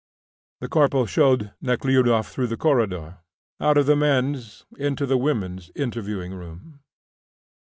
The corporal showed Nekhludoff through the corridor, out of the men's into the women's interviewing room.